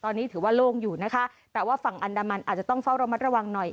ตอนนี้ถือว่าโล่งอยู่นะคะแต่ว่าฝั่งอันดามันอาจจะต้องเฝ้าระมัดระวังหน่อย